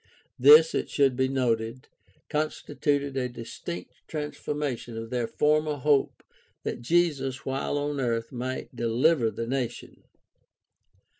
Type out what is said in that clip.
This, it should be noted, consti tuted a distinct transformation of their former hope that Jesus while on earth might dehver the nation.